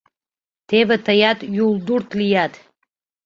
— Теве тыят юлдурт лият.